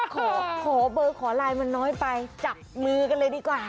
ขอขอเบอร์ขอไลน์มันน้อยไปจับมือกันเลยดีกว่า